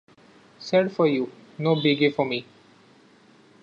Sad for you, no biggy for me.